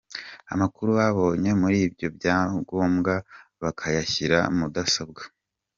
Amakuru babonye muri ibyo byangombwa bakayashyira mudasobwa.